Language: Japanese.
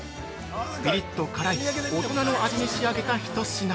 ピリッと辛い大人の味に仕上げた一品。